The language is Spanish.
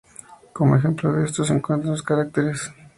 Como ejemplo de esto se encuentran los caracteres 靤 y 靨.